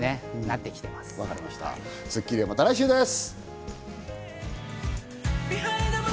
『スッキリ』はまた来週です。